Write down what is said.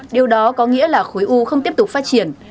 điều đó có nghĩa là khối u không tiếp tục phát triển